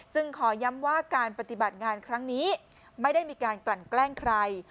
ขอย้ำว่าการปฏิบัติงานครั้งนี้ไม่ได้มีการกลั่นแกล้งใคร